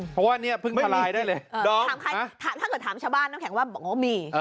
เพราะว่าเนี้ยพึ่งทลายได้เลยถ้าเกิดถามชาวบ้านน้องแข็งว่าบอกว่ามี